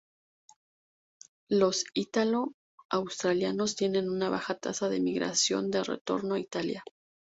Los ítalo-australianos tienen una baja tasa de migración de retorno a Italia.